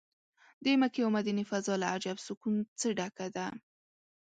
د مکې او مدینې فضا له عجب سکون څه ډکه ده.